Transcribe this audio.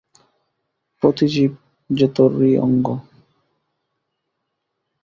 প্রতি জীব যে তোরই অঙ্গ।